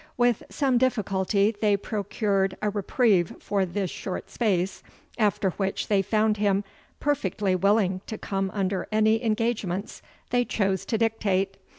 With some difficulty they procured a reprieve for this short space, after which they found him perfectly willing to come under any engagements they chose to dictate.